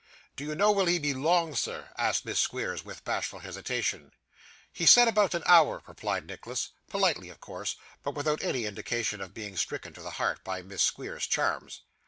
'Do you know will he be long, sir?' asked Miss Squeers, with bashful hesitation. 'He said about an hour,' replied Nicholas politely of course, but without any indication of being stricken to the heart by Miss Squeers's charms.